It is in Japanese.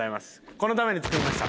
このために作りました。